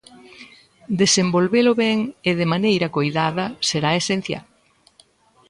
Desenvolvelo ben e de maneira coidada será esencial.